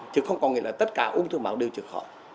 chứ không có nghĩa là tất cả ung thư máu đều trực khỏi